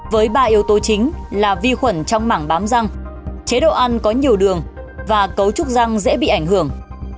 với ba yếu tố chính là vi khuẩn trong mảng bám răng chế độ ăn có nhiều đường và cấu trúc răng dễ bị ảnh hưởng